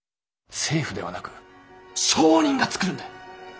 政府ではなく商人が作るんだ。